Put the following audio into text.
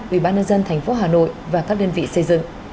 ubnd tp hà nội và các đơn vị xây dựng